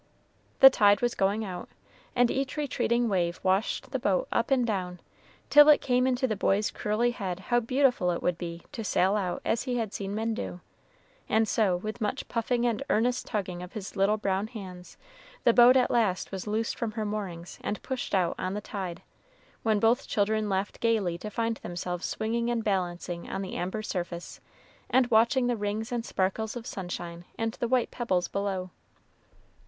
The tide was going out, and each retreating wave washed the boat up and down, till it came into the boy's curly head how beautiful it would be to sail out as he had seen men do, and so, with much puffing and earnest tugging of his little brown hands, the boat at last was loosed from her moorings and pushed out on the tide, when both children laughed gayly to find themselves swinging and balancing on the amber surface, and watching the rings and sparkles of sunshine and the white pebbles below.